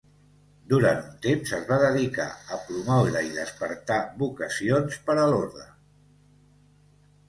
Durant un temps es va dedicar a promoure i despertar vocacions per a l'orde.